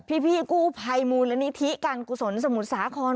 พี่กู้ภัยมูลนิธิการกุศลสมุทรสาคร